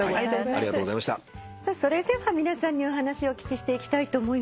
それでは皆さんにお話お聞きしていきたいと思います。